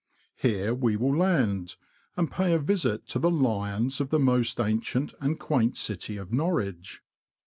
Here we will land, and pay a visit to the lions of the most ancient and quaint city of Norwich.